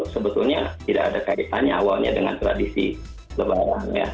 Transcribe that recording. sebetulnya tidak ada kaitannya awalnya dengan tradisi lebaran ya